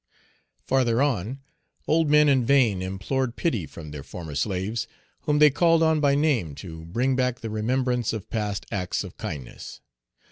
Farther on, old men in vain implored pity from their former slaves, whom they called on by name to bring back the remembrance of past acts of kindness.